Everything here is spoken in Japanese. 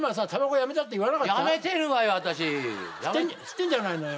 吸ってんじゃないのよ。